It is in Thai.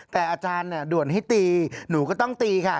แต่อาจารย์ด่วนให้ตีหนูก็ต้องตีค่ะ